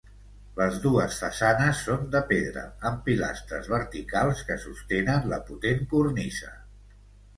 Les dues façanes són de pedra, amb pilastres verticals que sostenen la potent cornisa.